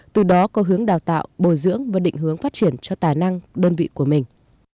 từ đó có hướng đào tạo bồi dưỡng và định hướng phát triển cho tài năng đơn vị của mình